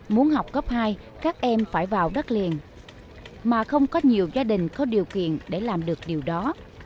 muốn học cấp hai các em phải vào đất liền mà không có nhiều gia đình có điều kiện để làm được điều đó